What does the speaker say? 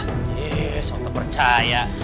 iiih sok tak percaya